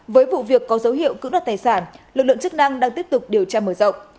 với vụ việc có dấu hiệu cưỡng đoạt tài sản lực lượng chức năng đang tiếp tục điều tra mở rộng